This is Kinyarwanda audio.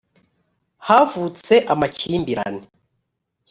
havutse amakimbirane .